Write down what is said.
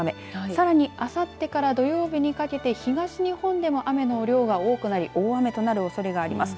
さらに、あさってから土曜日にかけて東日本でも雨の量が多くなり大雨となるおそれがあります。